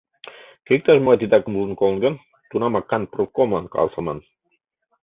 Кӧ иктаж-могай титакым ужын-колын гын, тунамак кантпродкомлан каласыман.